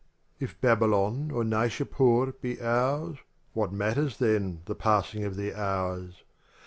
If Babylon or Naishapur be ours What matters then the passing of the hours?